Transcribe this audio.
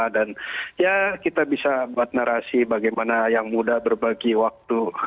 dan ya kita bisa buat narasi bagaimana yang muda berbagi waktu